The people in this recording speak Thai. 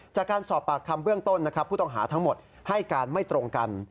จากการสอบปากคำเบื้องต้นนะครับผู้ต้องหาทั้งหมดให้การไม่ตรงกัน